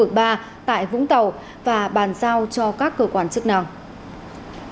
theo báo trong lúc một ngày các nhà nội dung sử dụng thủ tướng của trung tâm phối hợp tìm kiếm cứu nạn hàng hải việt nam